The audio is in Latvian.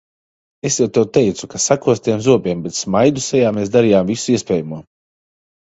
Es jau tev teicu, ka sakostiem zobiem, bet smaidu sejā mēs darījām visu iespējamo.